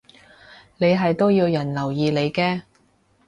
你係都要人留意你嘅